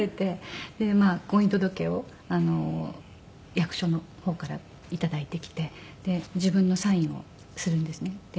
婚姻届を役所の方から頂いてきて自分のサインをするんですね。